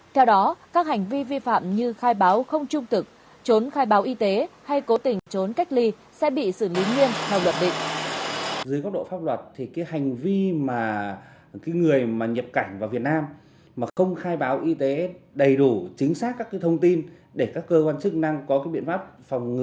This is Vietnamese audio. theo đó các hành vi vi phạm như khai báo không trung thực trốn khai báo y tế hay cố tình trốn cách ly sẽ bị xử lý nghiêm theo luật định